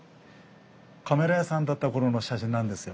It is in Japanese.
カメラ屋さんだった頃の写真なんですよ。